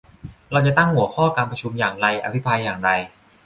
เราจะตั้งหัวข้อการประชุมอย่างไร อภิปรายอย่างไร